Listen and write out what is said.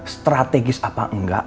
strategis apa enggak